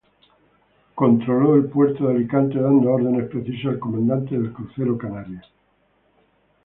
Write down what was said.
Controló el puerto de Alicante dando órdenes precisas al comandante del Crucero Canarias.